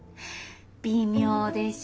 微妙でしょう？